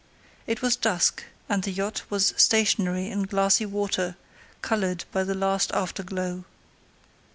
It was dusk, and the yacht was stationary in glassy water, coloured by the last after glow.